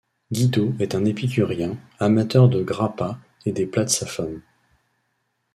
Guido est un épicurien, amateur de grappa et des plats de sa femme.